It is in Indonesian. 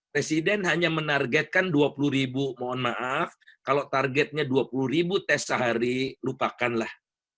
presiden hanya menargetkan dua puluh ribu mohon maaf kalau targetnya dua puluh ribu tes sehari lupakanlah